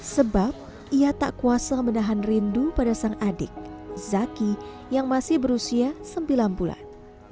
sebab ia tak kuasa menahan rindu pada sang adik zaki yang masih berusia sembilan bulan